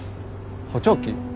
補聴器？